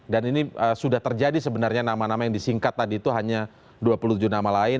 dan ini sudah terjadi sebenarnya nama nama yang disingkat tadi itu hanya dua puluh tujuh nama lain